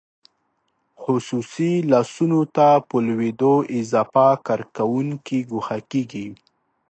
خصوصي لاسونو ته په لوېدو اضافه کارکوونکي ګوښه کیږي.